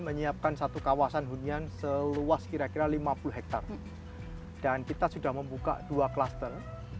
menyiapkan satu kawasan hunian seluas kira kira lima puluh hektare dan kita sudah membuka dua klaster